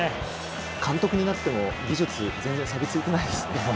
監督になっても、技術全然、さび付いてないですね。